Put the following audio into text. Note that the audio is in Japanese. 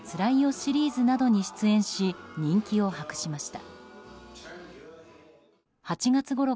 シリーズなどに出演し人気を博しました。